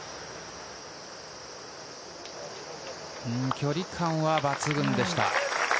距離感は抜群でした。